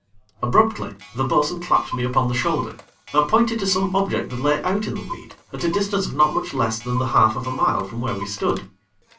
Abruptly, the bo'sun clapped me upon the shoulder, and pointed to some object that lay out in the weed at a distance of not much less than the half of a mile from where we stood.